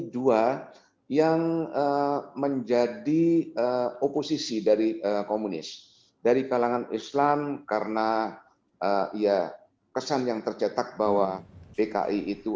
dua yang menjadi oposisi dari komunis dari kalangan islam karena ia kesan yang tercetak bahwa pki itu